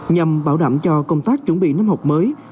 nhằm bảo đảm cho công tác chuẩn bị năm học mới